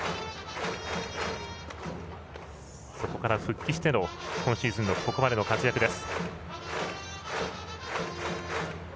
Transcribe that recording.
そこから復帰しての今シーズンの活躍です。